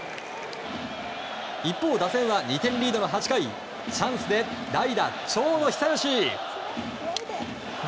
一方、打線は２点リードの８回チャンスで代打、長野久義。